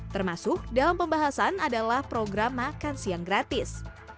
termasuk dalam pembahasan adalah program makan siang gratis